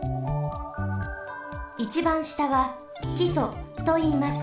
いちばんしたはきそといいます。